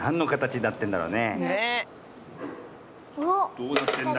どうなってんだ？